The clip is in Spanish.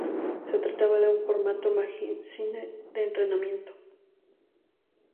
Se trataba de un formato magazine de entretenimiento.